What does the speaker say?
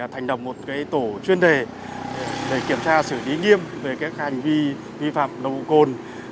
thành đồng một tổ chuyên đề để kiểm tra xử lý nghiêm về các hành vi vi phạm nồng độ cồn